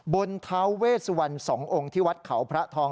บนท้าเวสวันสององค์ที่วัดเขาพระทอง